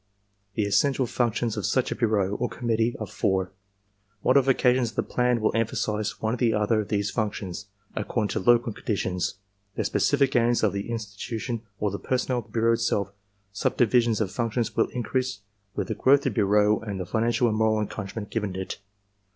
The essential functions of such a bureau, or committee, are four. Modifications of the plan will emphasize one or the other of these functions, according to local conditions, the specific aims of the institution or the personnel of the bureau itself; subdivi sion of functions will increase with the growth of the bureau and the financial and moral encouragement given it.